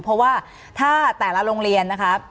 เพราะว่าถ้าแต่ละโรงเรียนนะครับ